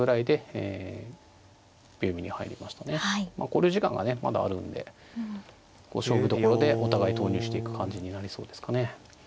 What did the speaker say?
考慮時間がねまだあるんで勝負どころでお互い投入していく感じになりそうですかね。